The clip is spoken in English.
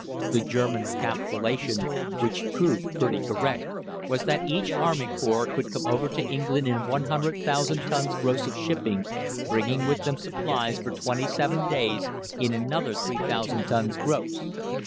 The German calculation which proved pretty correct was that each army corps could come over to England in 100,000 tons gross of shipping, bringing with them supplies for twenty seven days in another 3,000 tons gross.